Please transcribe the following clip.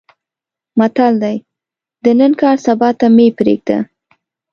متل دی: د نن کار سبا ته مې پرېږده.